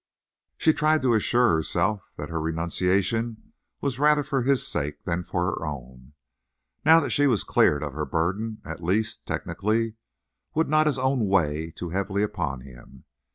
She tried to assure herself that her renunciation was rather for his sake than for her own. Now that she was cleared of her burden—at least, technically—would not his own weigh too heavily upon him?